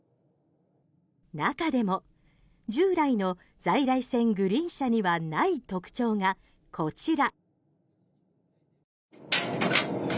中でも、従来の在来線グリーン車にはない特徴がこちら。